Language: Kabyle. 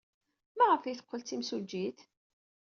Maɣef ay teqqel d timsujjit?